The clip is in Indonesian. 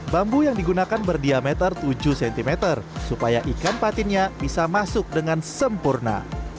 bambu yang digunakan berdiameter tujuh cm supaya ikan patinnya bisa masuk dengan sempurna